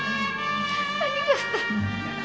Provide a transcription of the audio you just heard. ありがとう。